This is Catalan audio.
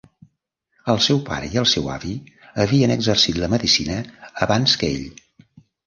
El seu pare i el seu avi havien exercit la medicina abans que ell.